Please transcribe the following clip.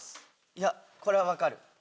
いやこれは分かる。